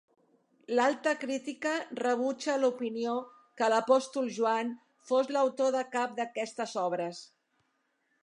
L'alta crítica rebutja l'opinió que l'apòstol Joan fos l'autor de cap d'aquestes obres.